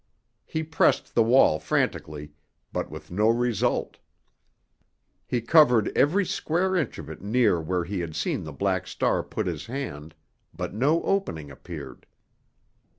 He pressed the wall frantically, but with no result. He covered every square inch of it near where he had seen the Black Star put his hand, but no opening appeared.